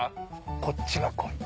こっちが濃い。